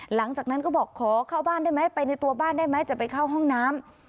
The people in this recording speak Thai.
หลังจากนั้นก็บอกขอเข้าบ้านได้ไหมไปในตัวบ้านได้ไหมจะไปเข้าห้องน้ำ